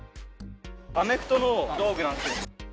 アメフトの道具なんですよ。